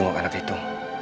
aku mau ke anak itu